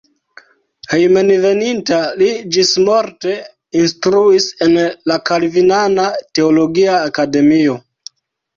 Hejmenveninta li ĝismorte instruis en la kalvinana teologia akademio.